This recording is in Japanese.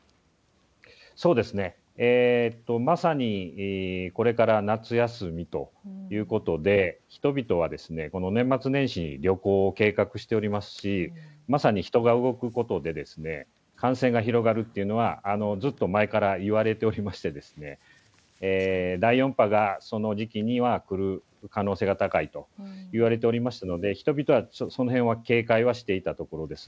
そうですね、まさにこれから夏休みということで、人々はこの年末年始に旅行を計画しておりますし、まさに人が動くことで感染が広がるっていうのは、ずっと前からいわれておりまして、第４波がその時期には来る可能性が高いといわれておりましたので、人々はそのへんは警戒はしていたところです。